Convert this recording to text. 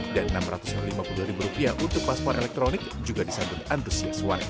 dan rp enam ratus lima puluh dua untuk paspor elektronik juga disambut antusias warga